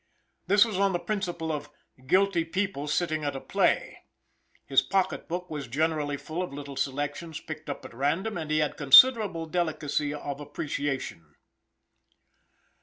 This was on the principle of "guilty people sitting at a play." His pocket book was generally full of little selections picked up at random, and he had considerable delicacy of appreciation.